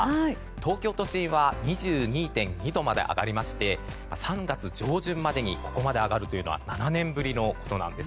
東京都心は２２．２度まで上がりまして３月上旬までにここまで上がるのは７年ぶりのことなんです。